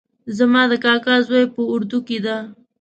زما د کاکا زوی په اردو کې ده